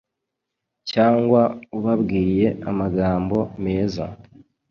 cyangwa ubabwiye amagambo meza.